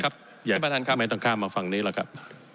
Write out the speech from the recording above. ท่านประธานครับไม่ต้องข้ามมาฝั่งนี้หรอกครับ